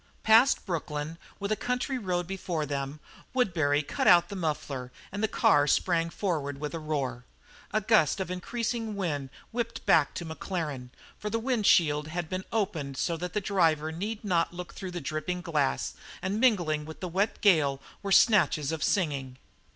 Past Brooklyn, with a country road before them, Woodbury cut out the muffler and the car sprang forward with a roar. A gust of increasing wind whipped back to Maclaren, for the wind shield had been opened so that the driver need not look through the dripping glass and mingling with the wet gale were snatches of singing.